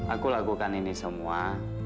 aku lakukan ini semua